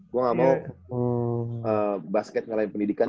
gue gak mau basket ngelain pendidikan